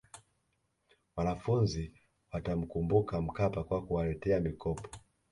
wanafunzi watamkumbuka mkapa kwa kuwaletea mikopo